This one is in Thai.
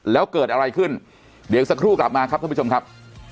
แล้วเกิดอะไรขึ้นเดี๋ยวอีกสักครู่กลับมาครับท่านผู้ชมครับ